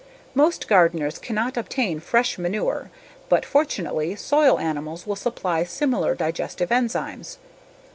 Most gardeners cannot obtain fresh manure but fortunately soil animals will supply similar digestive enzymes.